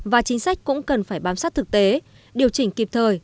và chính sách cũng cần phải bám sát thực tế điều chỉnh kịp thời